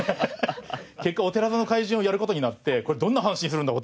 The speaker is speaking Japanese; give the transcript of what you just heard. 結果「お寺座の怪人」をやる事になってこれどんな話にするんだ